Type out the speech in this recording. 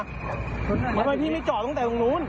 ทำไมพี่ไม่จอดตั้งแต่ตรงนู้น